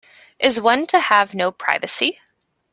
Is one to have no privacy?